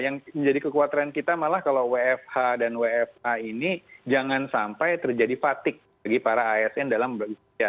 yang menjadi kekhawatiran kita malah kalau wfh dan wfa ini jangan sampai terjadi fatigue bagi para asn dalam berusia